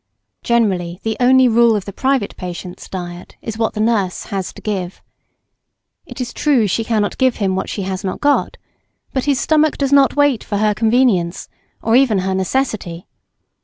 Generally, the only rule of the private patient's diet is what the nurse has to give. It is true she cannot give him what she has not got; but his stomach does not wait for her convenience, or even her necessity.